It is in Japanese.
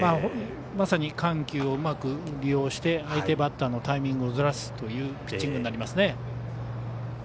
まさに緩急をうまく利用して相手バッターのタイミングをずらすというピッチングになりますね。